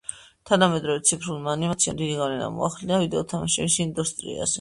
თანამედროვე ციფრულმა ანიმაციამ დიდი ზეგავლენა მოახდინა ვიდეო თამაშების ინდუსტრიაზე.